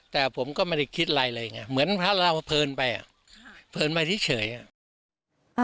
แต่ผมก็ไม่ได้คิดไรไรอย่างงี้เหมือนเราเพลินไปอ่ะเพลินไปที่เฉยอ่ะ